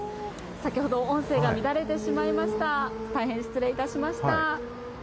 先ほど、音声が乱れてしまいました。